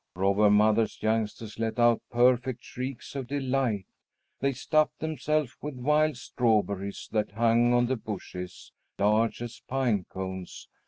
Robber Mother's youngsters let out perfect shrieks of delight. They stuffed themselves with wild strawberries that hung on the bushes, large as pine cones.